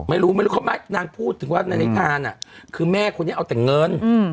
ไม่รู้ไม่รู้เขามานั่งพูดถึงว่าในนิธานอ่ะคือแม่คนนี้เอาแต่เงินอืม